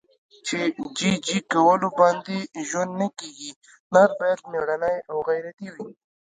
په جي جي کولو باندې ژوند نه کېږي. نر باید مېړنی او غیرتي وي.